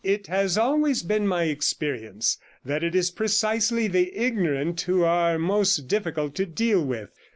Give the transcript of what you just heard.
It has always been my experience that it is precisely the ignorant who are most difficult to deal with.